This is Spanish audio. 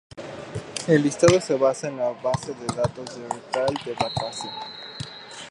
El listado se basa en la base de datos de The Reptile Database.